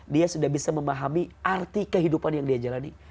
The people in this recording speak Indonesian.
dia sudah bisa memahami arti kehidupan yang dia jalani